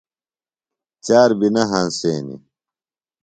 چار بی نہ ہنسینیۡ۔